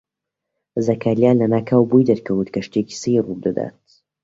زەکەریا لەناکاو بۆی دەرکەوت کە شتێکی سەیر ڕوو دەدات.